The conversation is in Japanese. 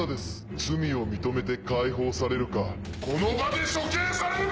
罪を認めて解放されるかこの場で処刑されるか‼